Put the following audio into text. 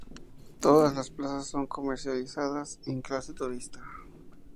Todas las plazas son comercializadas en clase turista.